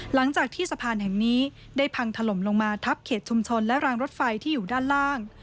หลังจากที่สะพานแห่งนี้ได้พังถล่มลงมาทับเขตชุมชนและรางรถไฟที่อยู่ด้านล่าง